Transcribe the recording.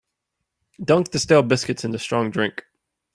Dunk the stale biscuits into strong drink.